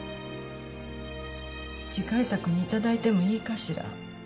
次回作に頂いてもいいかしら？